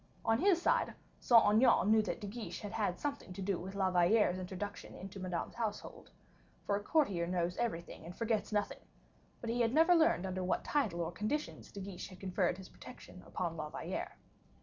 On his side, Saint Aignan knew that De Guiche had had something to do with La Valliere's introduction to Madame's household, for a courtier knows everything and forgets nothing; but he had never learned under what title or conditions De Guiche had conferred his protection upon La Valliere.